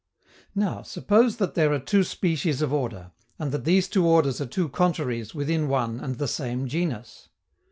Now, suppose that there are two species of order, and that these two orders are two contraries within one and the same genus.